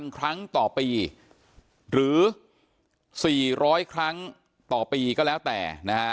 ครั้งต่อปีหรือ๔๐๐ครั้งต่อปีก็แล้วแต่นะฮะ